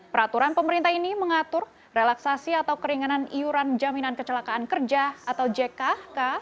peraturan pemerintah ini mengatur relaksasi atau keringanan iuran jaminan kecelakaan kerja atau jkk